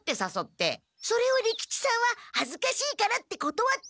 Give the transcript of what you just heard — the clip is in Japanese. それを利吉さんははずかしいからってことわって。